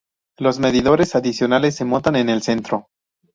Los medidores adicionales se montan en el centro.